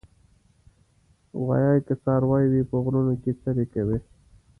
غویی کې څاروي په غرونو کې څرې کوي.